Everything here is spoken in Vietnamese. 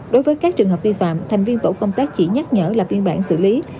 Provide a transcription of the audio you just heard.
đối với các trường hợp vi phạm thành viên tổ công tác chỉ nhắc nhở là biên bản xử lý